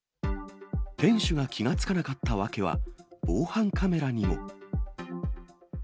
店主が気が付かなかった訳は、防犯カメラにも。